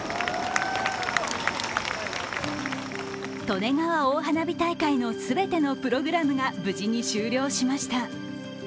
利根川大花火大会の全てのプログラムが無事に終了しました。